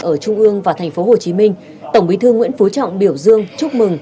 ở trung ương và tp hcm tổng bí thư nguyễn phú trọng biểu dương chúc mừng